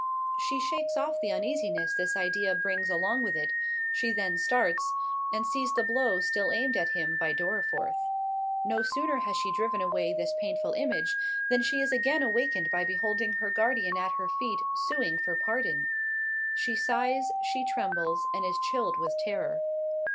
She shakes off the uneasiness this idea brings along with it—she then starts, and sees the blow still aimed at him by Dorriforth. No sooner has she driven away this painful image, than she is again awakened by beholding her guardian at her feet sueing for pardon. She sighs, she trembles, and is chilled with terror.